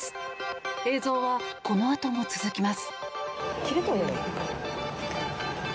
映像はこのあとも続きます。